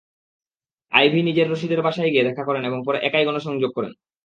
আইভী নিজেই রশিদের বাসায় গিয়ে দেখা করেন এবং পরে একাই গণসংযোগ করেন।